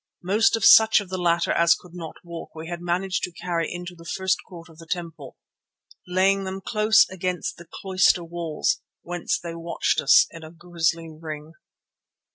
Most of such of the latter as could not walk we had managed to carry into the first court of the temple, laying them close against the cloister walls, whence they watched us in a grisly ring.